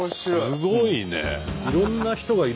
すごいね。